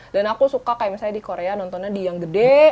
dan aku suka kayak misalnya di korea nontonnya di yang gede